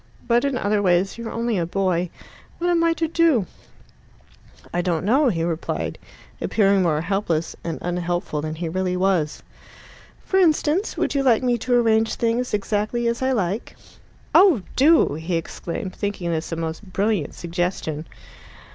But in other ways you're only a boy. What am I to do?" "I don't know," he replied, appearing more helpless and unhelpful than he really was. "For instance, would you like me to arrange things exactly as I like?" "Oh do!" he exclaimed, thinking this a most brilliant suggestion.